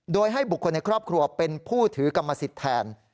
โดยให้บุคคลในครอบครัวเป็นผู้ถือกรรมสิทธิ์แทน